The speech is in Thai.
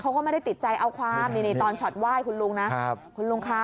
เขาก็ไม่ได้ติดใจเอาความตอนชอตไหว้คุณลุงนะ